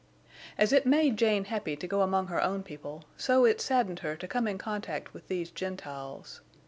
As it made Jane happy to go among her own people, so it saddened her to come in contact with these Gentiles.